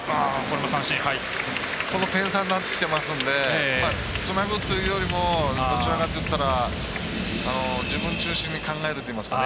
この点差になってきますのでつなぐというよりもどちらかというと自分中心に考えるっていいますか。